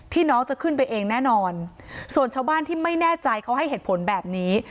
น้องจะขึ้นไปเองแน่นอนส่วนชาวบ้านที่ไม่แน่ใจเขาให้เหตุผลแบบนี้